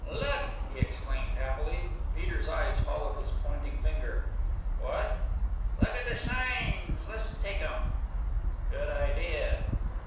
"Look!" he exclaimed happily Peter's eyes followed his pointing finger. "What?" "Look at the signs. Let's take 'em." "Good idea."